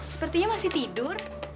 sepertinya masih tidur